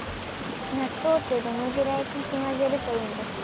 なっとうってどのぐらいかきまぜるといいんですか？